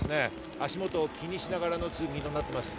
足元を気にしながらの通勤となっています。